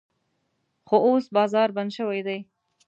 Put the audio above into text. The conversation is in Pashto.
خو اوس بازار بند شوی دی.